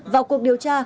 vào cuộc điều tra